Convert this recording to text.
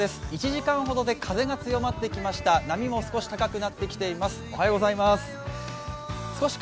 １時間ほどで風が強まってきました波も少し高くなってきました。